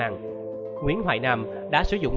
nguyễn hoài nam đã sử dụng